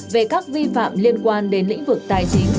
về các vi phạm liên quan đến lĩnh vực tài chính